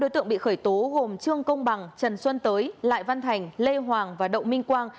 ba đối tượng bị khởi tố gồm trương công bằng trần xuân tới lại văn thành lê hoàng và đậu minh quang